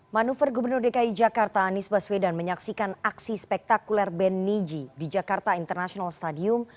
manuver gubernur dki jakarta anies baswedan menyaksikan aksi spektakuler ben niji di jakarta international stadium